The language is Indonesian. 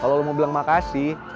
kalau lo mau bilang makasih